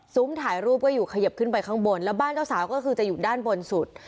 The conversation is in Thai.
ถ่ายรูปก็อยู่ขยิบขึ้นไปข้างบนแล้วบ้านเจ้าสาวก็คือจะอยู่ด้านบนสุด